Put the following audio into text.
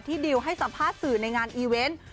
ดิวให้สัมภาษณ์สื่อในงานอีเวนต์